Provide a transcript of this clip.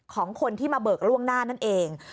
ของคนที่มาเบิกล่วงหน้านั่นเอง